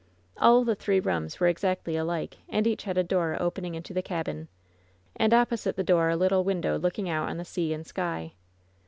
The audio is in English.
All the three rooms were exactly alike, and each had a door opening into the cabin, and opposite the door a little window looking out on the sea and sky.